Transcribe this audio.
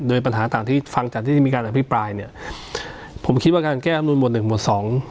โดยปัญหาต่างที่ฟังจากที่มีการอภิปรายเนี่ยผมคิดว่าการแก้อำนูนหวดหนึ่งหมวดสอง